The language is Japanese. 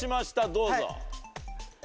どうぞ。